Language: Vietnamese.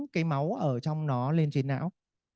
cái máu ở trong nó lên trên não